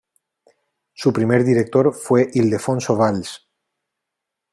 Su primer director fue Ildefonso Valls.